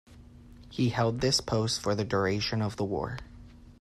He held this post for the duration of the war.